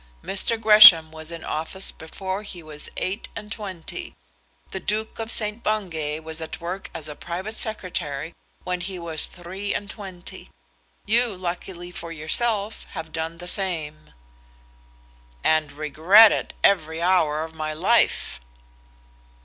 Mr. Gresham was in office before he was eight and twenty. The Duke of St. Bungay was at work as a Private Secretary when he was three and twenty. You, luckily for yourself, have done the same." "And regret it every hour of my life."